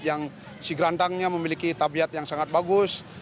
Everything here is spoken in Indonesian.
yang si gerandangnya memiliki tabiat yang sangat bagus